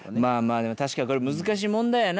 でも確かにこれ難しい問題やな。